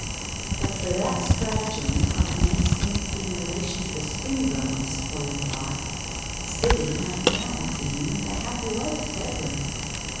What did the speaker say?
'But for that stratagem of Manston's in relation to the Springroves,' Owen thought, 'Cythie might now have been the happy wife of Edward.